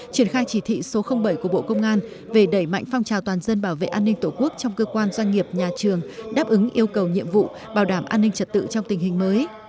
triển khai chỉ thị số bảy của bộ công an về đẩy mạnh phong trào toàn dân bảo vệ an ninh tổ quốc trong cơ quan doanh nghiệp nhà trường đáp ứng yêu cầu nhiệm vụ bảo đảm an ninh trật tự trong tình hình mới